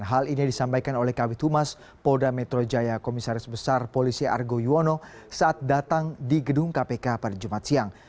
hal ini disampaikan oleh kabit humas polda metro jaya komisaris besar polisi argo yuwono saat datang di gedung kpk pada jumat siang